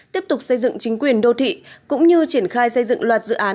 tiếp tục xây dựng chính quyền đô thị cũng như triển khai xây dựng loạt dự án